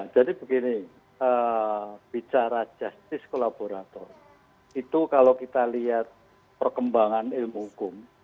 jadi begini bicara justice collaborator itu kalau kita lihat perkembangan ilmu hukum